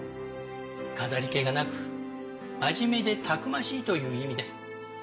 飾り気がなく真面目でたくましいという意味です。